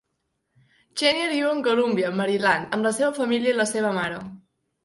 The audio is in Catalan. Chenier viu en Columbia, Maryland, amb la seva família i la seva mare.